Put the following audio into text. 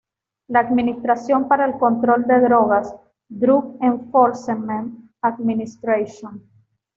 La Administración para el Control de Drogas, Drug Enforcement Administration